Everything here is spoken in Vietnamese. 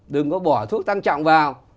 đừng có bỏ thuốc tăng trọng vào